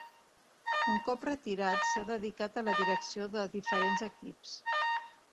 Un cop retirat s'ha dedicat a la direcció de diferents equips.